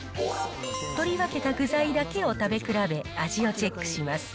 取り分けた具材だけを食べ比べ、味をチェックします。